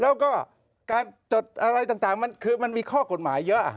แล้วก็การจดอะไรต่างมันคือมันมีข้อกฎหมายเยอะ